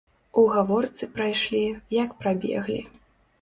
У гаворцы прайшлі, як прабеглі.